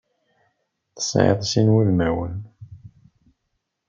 Tesɛiḍ sin n wudemawen.